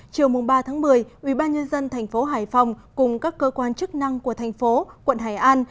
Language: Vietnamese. chiều ba một mươi ubnd tp hải phòng cùng các cơ quan chức năng của thành phố quận hải an